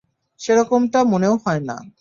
সেরকমটা মনেও হয় না।